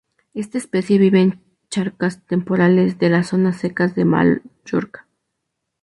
Esta especie vive en charcas temporales de las zonas secas de Mallorca.